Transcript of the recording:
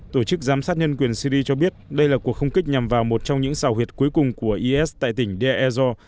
tổ chức giám sát nhân quyền syri cho biết đây là cuộc không kích nhằm vào một trong những sảo huyệt cuối cùng của is tại tỉnh deir ezzor